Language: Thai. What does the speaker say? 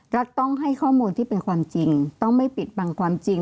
รัฐต้องให้ข้อมูลที่เป็นความจริงต้องไม่ปิดบังความจริง